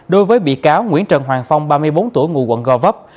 đối với bị cáo nguyễn trần hoàng phong ba mươi bốn tuổi ngụ quận gò vấp